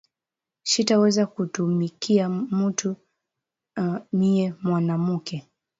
Shita weza kutumikiya muntu miye mwanamuke